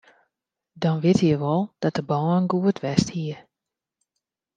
Dan witte je wol dat de bân goed west hie.